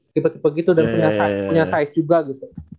tipe tipe gitu dan punya size juga gitu